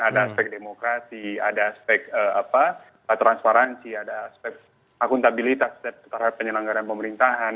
ada aspek demokrasi ada aspek transparansi ada aspek akuntabilitas terhadap penyelenggaran pemerintahan